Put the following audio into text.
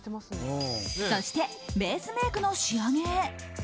そしてベースメイクの仕上げへ。